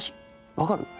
分かる？